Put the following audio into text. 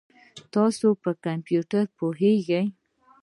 تاسو په کمپیوټر پوهیږئ؟